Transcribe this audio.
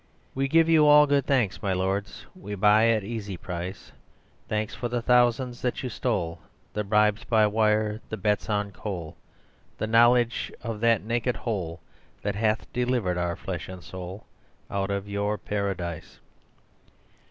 We give you all good thanks, my lords, We buy at easy price; Thanks for the thousands that you stole, The bribes by wire, the bets on coal, The knowledge of that naked whole That hath delivered our flesh and soul Out of your Paradise.